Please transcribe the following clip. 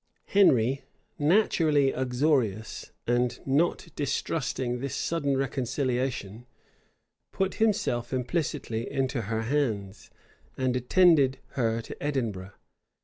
Henry, naturally uxorious, and not distrusting this sudden reconciliation, put himself implicitly into her hands, and attended her to Edinburgh.